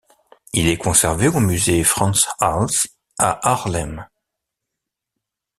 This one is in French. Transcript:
Il est conservé au musée Frans Hals à Haarlem.